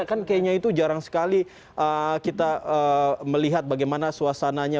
kan kayaknya itu jarang sekali kita melihat bagaimana suasananya